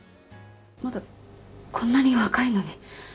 こんなに若いのに。